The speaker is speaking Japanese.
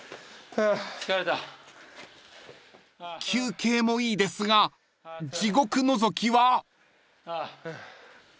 ［休憩もいいですが地獄のぞきは？］